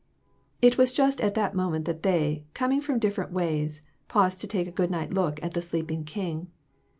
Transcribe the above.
It was just at that moment that they, coming from different ways, paused to take a good night look at the sleeping king.